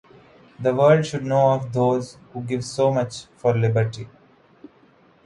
The world should know of those who give so much for liberty.